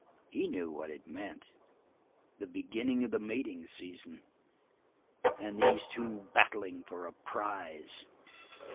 He knew what it meant the beginning of the mating season, and these two battling for a prize.